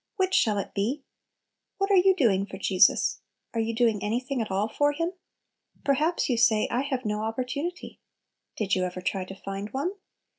Which shall it be? What are you doing for Jesus? Are you doing anything at all for Him? Perhaps you say, "I have no opportunity." Did you ever try to find one?